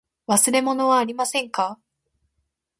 忘れ物はありませんか。